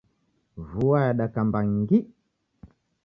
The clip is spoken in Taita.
Vua yadakamba ngi!